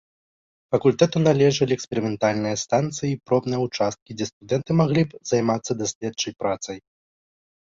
Факультэту належалі эксперыментальныя станцыі і пробныя ўчасткі, дзе студэнты маглі б займацца даследчай працай.